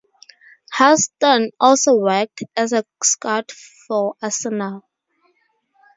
Houston also worked as a scout for Arsenal.